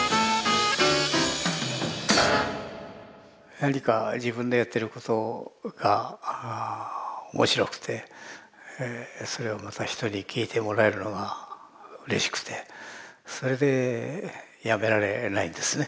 何か自分のやってることが面白くてそれをまた人に聴いてもらえるのがうれしくてそれでやめられないんですね。